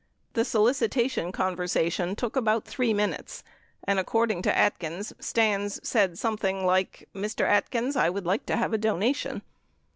The solicitation conversation took about 3 minutes and, ac cording to Atkins, Stans said something like, "Mr. Atkins, I would like to have a donation."